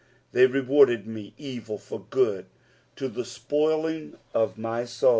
12 They rewarded mc evil for good to the spoiling of my soul.